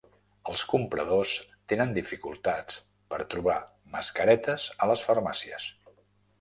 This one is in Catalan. Els compradors tenen dificultats per trobar mascaretes a les farmàcies.